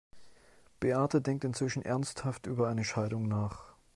Beate denkt inzwischen ernsthaft über eine Scheidung nach.